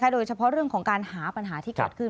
โดยเฉพาะเรื่องของการหาปัญหาที่เกิดขึ้น